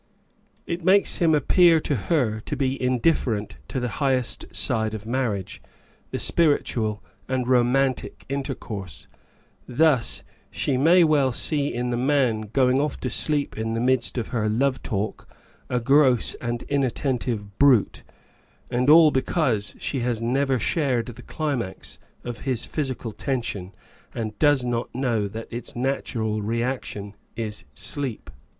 It makes him appear to her to be indifferent to the highest side of marriage — the spiritual and romantic intercourse. Thus she may see in the man going off to sleeo in the midst of her love talk, a gross and inat tentive brute — and all because she has never shared the climax of his physical tension, and does not know that its natural reaction is sleep.